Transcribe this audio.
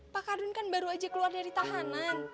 pak karun kan baru aja keluar dari tahanan